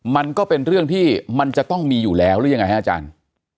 มันก็เป็นเรื่องที่มันจะต้องมีอยู่แล้วหรือยังไงฮะอาจารย์